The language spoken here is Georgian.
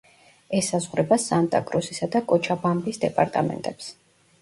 ესაზღვრება სანტა-კრუსისა და კოჩაბამბის დეპარტამენტებს.